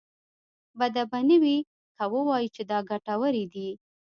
بده به نه وي که ووايو چې دا ګټورې دي.